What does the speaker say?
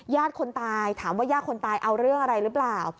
คนตายถามว่าญาติคนตายเอาเรื่องอะไรหรือเปล่า